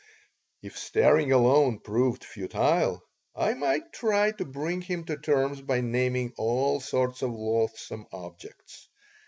If staring alone proved futile I might try to bring him to terms by naming all sorts of loathsome objects.